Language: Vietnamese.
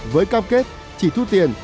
với cam kết chỉ thu tiền